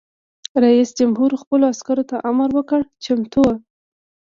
رئیس جمهور خپلو عسکرو ته امر وکړ؛ چمتو!